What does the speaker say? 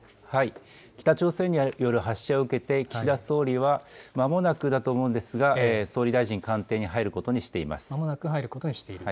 北朝鮮による発射を受けて、岸田総理は、まもなくだと思うんですが、総理大臣官邸に入ることにしています。